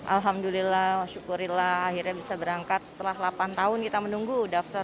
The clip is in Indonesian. alhamdulillah akhirnya bisa berangkat setelah delapan tahun kita menunggu daftar dua ribu dua belas